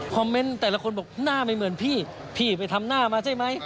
เมนต์แต่ละคนบอกหน้าไม่เหมือนพี่พี่ไปทำหน้ามาใช่ไหม